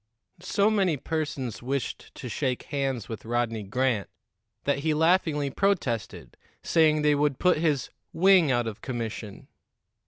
So many persons wished to shake hands with Rodney Grant that he laughingly protested, saying they would put his "wing out of commission."